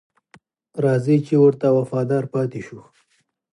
راځئ چې ورته وفادار پاتې شو.